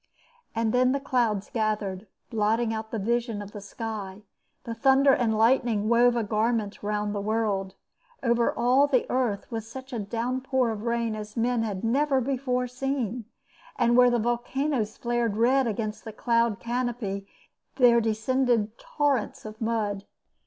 And then the clouds gathered, blotting out the vision of the sky, the thunder and lightning wove a garment round the world; all over the earth was such a downpour of rain as men had never before seen, and where the volcanoes flared red against the cloud canopy there descended torrents of mud.